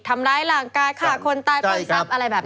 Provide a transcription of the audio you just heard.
ทำร้ายหลังกายข่าคนตายต้นซับอะไรแบบนั้น